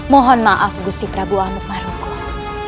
mohon maaf gusti prabu amuk marugul